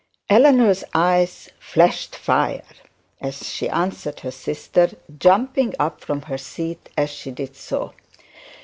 Eleanor's eyes flashed fire as she answered her sister, jumping up from her seat as she did so.